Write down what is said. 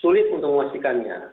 sulit untuk mewakilikannya